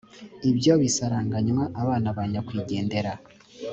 ibyo bisaranganywa abana ba nyakwigendera